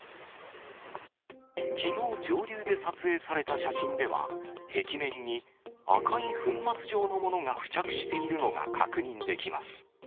きのう、上流で撮影された写真では、壁面に赤い粉末状のものが付着しているのが確認できます。